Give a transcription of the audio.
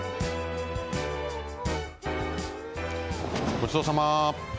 ごちそうさま。